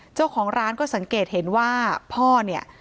เจ้าของร้านก็สังเกตเห็นว่าพ่อเนี่ย